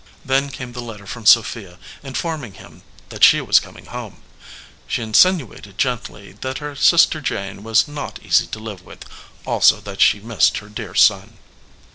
Then came the letter from Sophia, informing him that she was coming home. She insinuated gently that her sister Jane was not easy to live with, also that she missed her dear son.